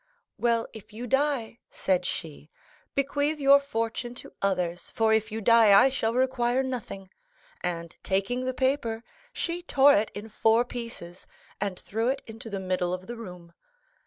'" "Well, if you die," said she, "bequeath your fortune to others, for if you die I shall require nothing;" and, taking the paper, she tore it in four pieces, and threw it into the middle of the room.